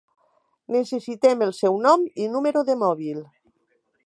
Necessitem el seu nom i número de mòbil.